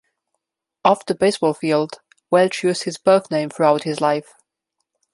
Off the baseball field, Welch used his birth name throughout his life.